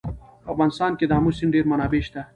په افغانستان کې د آمو سیند ډېرې منابع شته.